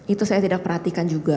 itu saya tidak perhatikan juga